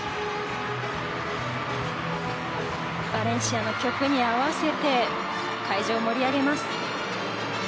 バレンシアの曲に合わせて会場を盛り上げます。